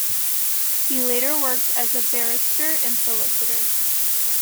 He later worked as a barrister and solicitor.